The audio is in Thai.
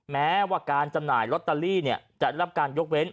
แม้ว่าการจำหน่ายลอตเตอรี่จะได้รับการยกเว้น